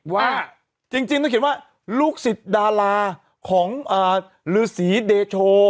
ว่าจริงต้องเขียนว่าลูกศิษย์ดาราของฤษีเดโช